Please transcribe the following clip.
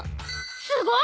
すごい！